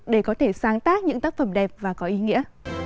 để có thể sáng tác những tác phẩm đẹp và có ý nghĩa